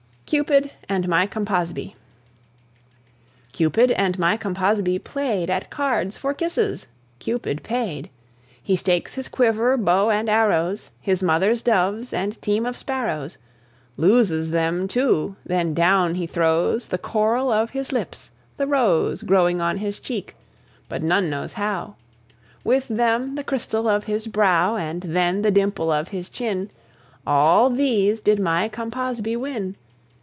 CUPID AND MY CAMPASBE. Cupid and my Campasbe played At cards for kisses. Cupid paid. He stakes his quiver, bow and arrows, His mother's doves and team of sparrows. Loses them, too; then down he throws The coral of his lips, the rose Growing on his cheek, but none knows how; With them the crystal of his brow, And then the dimple of his chin. All these did my Campasbe win.